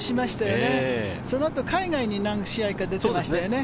そのあと、海外に何試合か出ましたよね。